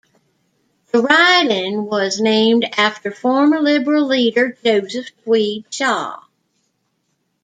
The riding was named after former Liberal leader Joseph Tweed Shaw.